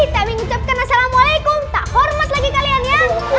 tapi ngucapkan assalamualaikum tak hormat lagi kalian ya